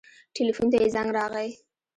ټېلفون ته يې زنګ راغى.